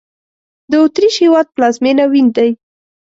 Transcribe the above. د اوترېش هېواد پلازمېنه وین دی